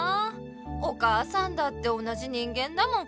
お母さんだって同じ人間だもん。